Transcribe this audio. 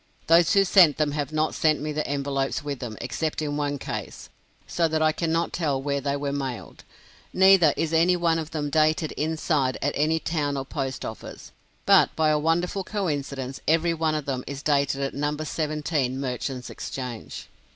Those who sent them have not sent me the envelopes with them, except in one case, so that I cannot tell where they were mailed. Neither is any one of them dated inside at any town or post office. But, by a wonderful coincidence, every one of them is dated at "No. 17 Merchants' Exchange."